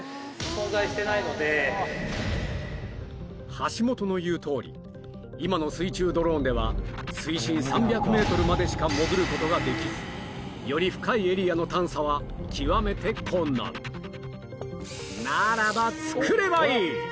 橋本の言うとおり今の水中ドローンでは水深３００ｍまでしか潜ることができずより深いエリアの探査は極めて困難ならば作ればいい